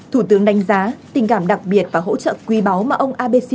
thủ tướng đánh giá tình cảm đặc biệt và hỗ trợ quý báu mà ông abe đã đưa ra